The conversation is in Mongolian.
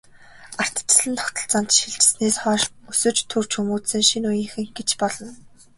Ардчилсан тогтолцоонд шилжсэнээс хойш өсөж, төрж хүмүүжсэн шинэ үеийнхэн гэж болно.